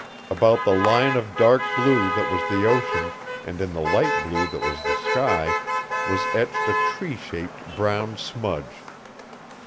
Above the line of dark blue that was the ocean, and in the light blue that was the sky, was etched a tree shaped brown smudge.